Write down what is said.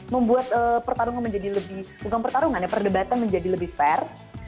membuat pertarungan menjadi lebih bukan pertarungan ya perdebatan menjadi lebih fair